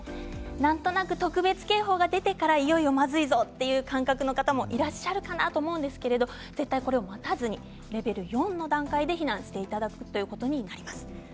なんとなく特別警報が出てからいよいよまずいぞという感覚の方もいらっしゃるかなと思うんですが絶対にこれを待たずにレベル４の段階で避難していただくということになります。